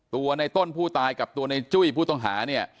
ตัวในต้นผู้ตายกับตัวในจุ้ยผู้ต้องหาเนี่ย